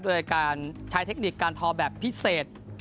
โดยการใช้เทคนิคการทอแบบพิเศษ